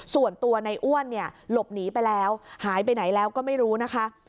ส่วนตัวในอ้วนเนี่ยหลบหนีไปแล้วหายไปไหนแล้วก็ไม่รู้นะคะ